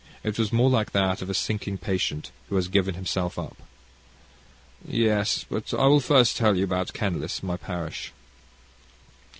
It was more like that of a sinking patient, who has given himself up. "Yes, but I will first tell you about Kenlis, my parish.